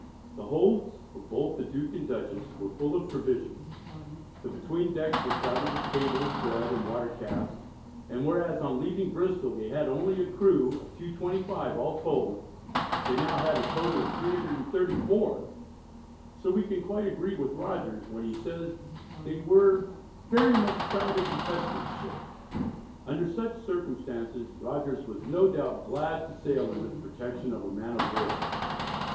The holds of both the Duke and Dutchess were full of provisions; the between decks were crowded with cables, bread, and water casks, and whereas on leaving Bristol they had only a crew of 225 all told, they now had a total of 334, so we can quite agree with Rogers when he says they were "very much crowded and pestered ships." Under such circumstances Rogers was no doubt glad to sail under the protection of a man of war.